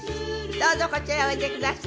どうぞこちらへおいでください。